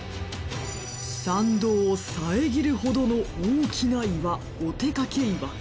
参道を遮るほどの大きな岩御手掛岩。